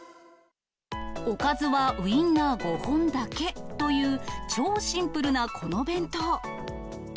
おかずはウインナー５本だけという超シンプルなこの弁当。